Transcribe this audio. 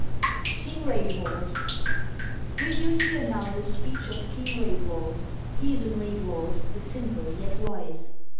KING RAEDWALD Will you hear now the speech of King Raedwald, heathen Raedwald, the simple yet wise?